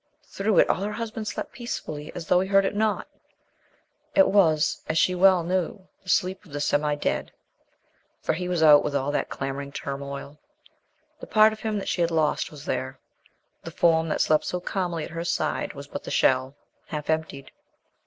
Through it all her husband slept peacefully as though he heard it not. It was, as she well knew, the sleep of the semi dead. For he was out with all that clamoring turmoil. The part of him that she had lost was there. The form that slept so calmly at her side was but the shell, half emptied.